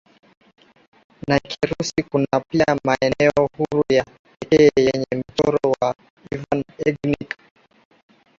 na Kirusi Kuna pia maeneo huru ya pekee yenye Mchoro wa Ivan Eggink